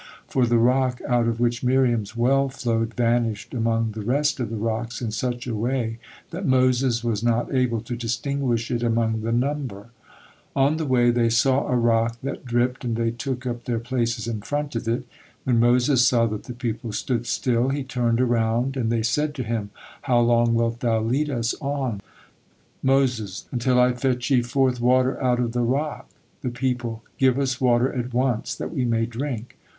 For the rock out of which Miriam's well flowed vanished among the rest of the rocks in such a way that Moses was not able to distinguish it among the number. On the way they saw a rock that dripped, and they took up their places in front of it. When Moses saw that the people stood still, he turned around and they said to him: "How long wilt thou lead us on?" Moses: "Until I fetch ye forth water out of the rock." The people: "Give us water at once, that we may drink."